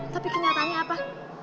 tapi kenyataannya apa